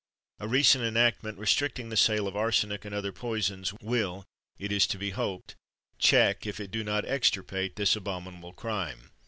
A recent enactment, restricting the sale of arsenic and other poisons, will, it is to be hoped, check, if it do not extirpate this abominable crime.